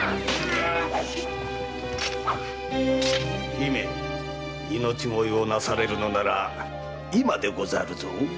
姫命乞いをなされるのなら今でござるぞ。